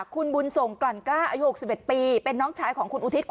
คุณบุญสงฆ์กรรกาอายุอกสิบเอ็ดปีเป็นน้องชายของคุณอุทิศ